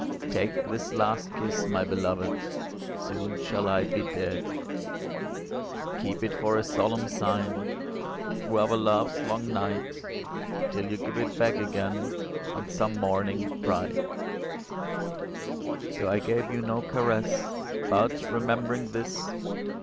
" Take this last kiss, my beloved, Soon shall I be dead !*' Keep it for a solemn sign. Through our love's long night. Till you give it back again On some morning bright." So I gave you no caress ; But, remembering this.